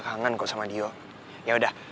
kangen kok sama dia yaudah